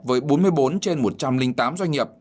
với bốn mươi bốn trên một trăm linh tám doanh nghiệp